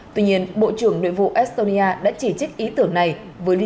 tuy nhiên bộ trưởng nội vụ estonia đã chỉ trích ý tưởng này với lý do gây tốn kém tiền của và nhân lực